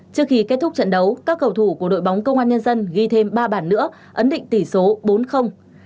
trước khi kết thúc trận đấu các cầu thủ của đội bóng công an nhân dân ghi thêm ba bảng nữa ấn định tỷ số bốn